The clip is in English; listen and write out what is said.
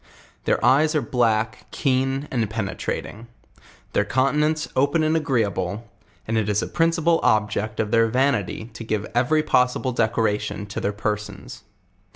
Their eyes are blsrk, keen and penetrating; their countenance open and agreeable, and it is a principal object of their vanity to give every pos sible decoration to their persons.